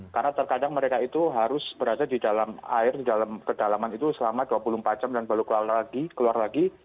karena terkadang mereka itu harus berada di dalam air di dalam kedalaman itu selama dua puluh empat jam dan baru keluar lagi